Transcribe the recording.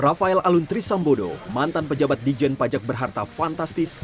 rafael alun trisambodo mantan pejabat dijen pajak berharta fantastis